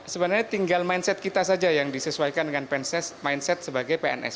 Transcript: sebenarnya tinggal mindset kita saja yang disesuaikan dengan mindset sebagai pns